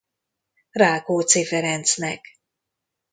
Rákóczi Ferencnek.